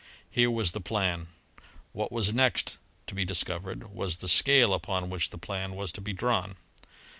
Here was the plan. What was next to be discovered was the scale upon which the plan was to be drawn.